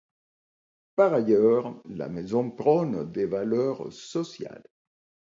Par ailleurs, la maison prône des valeurs sociales.